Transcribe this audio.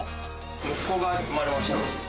息子が産まれました。